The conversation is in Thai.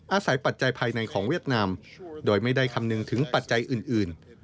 ปัจจัยภายในของเวียดนามโดยไม่ได้คำนึงถึงปัจจัยอื่น